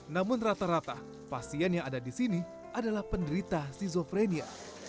namun rata rata pasien yang ada di sini adalah penderita schizofrenia